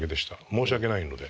申し訳ないので。